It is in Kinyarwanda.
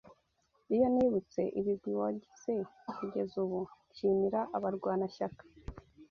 Iyo nibutse ibigwi wagize kugeza ubu, nshimira abarwanashyaka